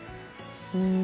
うん。